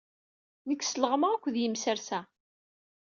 Nekk sleɣmaɣ akked yimessersa.